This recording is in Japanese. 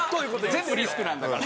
全部リスクなんだから。